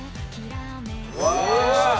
うわ！